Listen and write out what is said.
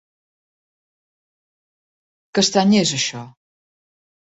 Que estrany és això!